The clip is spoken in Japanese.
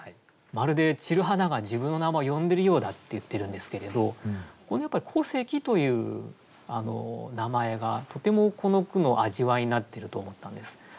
まるで散る花が自分の名前を呼んでるようだって言ってるんですけれどこのやっぱり「古関」という名前がとてもこの句の味わいになっていると思ったんです。